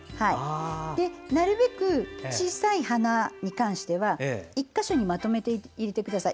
なるべく小さい花に関しては１か所にまとめて入れてください。